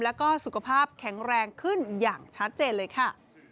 แล้วก็สุขภาพแข็งแรงขึ้นอย่างชัดเจนเลยค่ะ